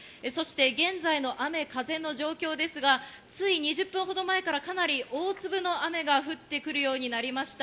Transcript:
現在の雨・風の状況ですが、つい２０分ほど前からかなり大粒の雨が降ってくるようになりました。